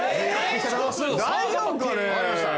大丈夫かね？